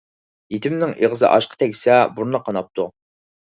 يېتىمنىڭ ئېغىزى ئاشقا تەگسە بۇرنى قاناپتۇ.